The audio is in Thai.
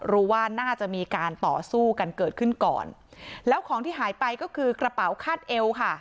รู้ว่าน่าจะมีการต่อสู้กันเกิดขึ้นก่อนแล้วของที่หายไปก็คือกระเป๋าคาดเอวค่ะ